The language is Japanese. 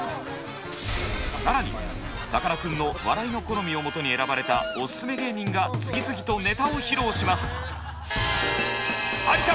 更にさかなクンの笑いの好みをもとに選ばれたオススメ芸人が次々とネタを披露します。